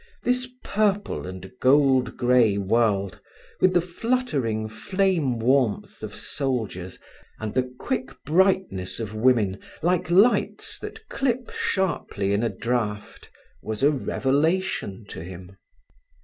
This purple and gold grey world, with the fluttering flame warmth of soldiers and the quick brightness of women, like lights that clip sharply in a draught, was a revelation to him.